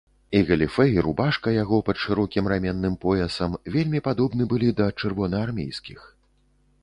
І галіфэ і рубашка яго пад шырокім раменным поясам вельмі падобны былі да чырвонаармейскіх.